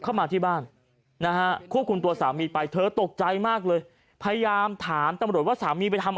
เข้ามาที่บ้านนะฮะควบคุมตัวสามีไปเธอตกใจมากเลยพยายามถามตำรวจว่าสามีไปทำอะไร